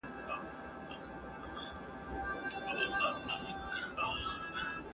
پر اغزنه زخمي لاره چي رانه سې ,